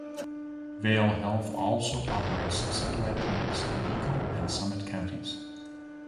Vail Health also operates satellite clinics in Eagle and Summit counties.